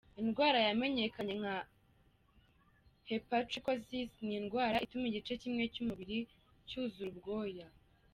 indwara yamenyekanye nka hypertrichosis, ni indwara ituma igice kimwe cy’umubiri cyuzura ubwoya.